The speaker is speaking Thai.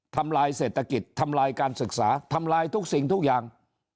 ทำลายเศรษฐกิจทำลายการศึกษาทำลายทุกสิ่งทุกอย่าง